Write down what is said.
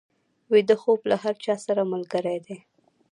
ویده خوب له هر چا سره ملګری دی